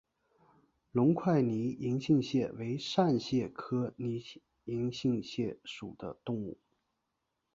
隆块拟银杏蟹为扇蟹科拟银杏蟹属的动物。